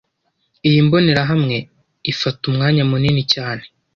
Iyi mbonerahamwe ifata umwanya munini cyane.